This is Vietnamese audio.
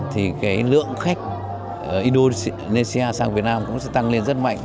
thì cái lượng khách indonesia sang việt nam cũng sẽ tăng lên rất mạnh